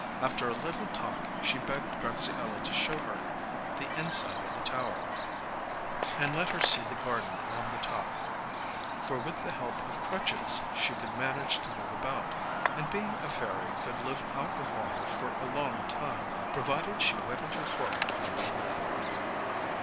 After a little talk she begged Graziella to show her the inside of the tower and let her see the garden on the top, for with the help of crutches she could manage to move about, and being a fairy could live out of water for a long time, provided she wetted her forehead now and then.